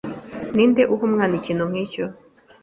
Ninde uha umwana ikintu nkicyo?